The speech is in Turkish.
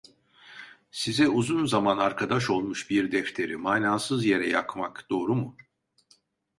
Size uzun zaman arkadaş olmuş bir defteri manasız yere yakmak doğru mu?